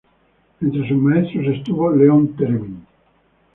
Entre sus maestros estuvo Leon Theremin.